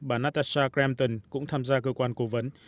bà natasha crampton cũng tham gia cơ quan cố vấn